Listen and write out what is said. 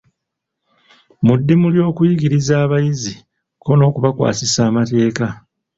Mu ddimu ly’okuyigiriza abayizi kko n’okubakwasisa amateeka.